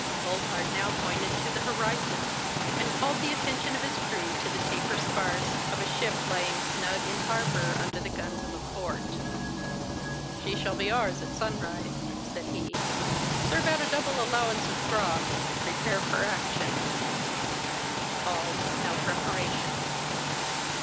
Boldheart now pointed to the horizon, and called the attention of his crew to the taper spars of a ship lying snug in harbour under the guns of a fort. 'She shall be ours at sunrise,' said he. 'Serve out a double allowance of grog, and prepare for action.' All was now preparation.